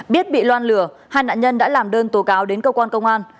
biết bị loan lửa hai nạn nhân đã làm đơn tố cáo đến cơ quan công an